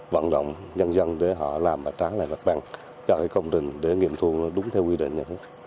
vận động nhân dân để họ làm và trả lại vật bằng cho cái công trình để nghiệm thuộc đúng theo quy định